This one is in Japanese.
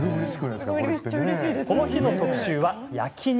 この日の特集は、焼き肉。